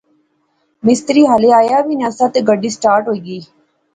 مستری ہالے ایا وی ناسا تے گڈی سٹارٹ ہوئی غئی